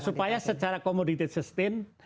supaya secara komoditas sustain